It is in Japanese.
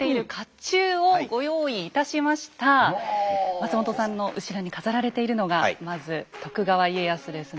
松本さんの後ろに飾られているのがまず徳川家康ですね。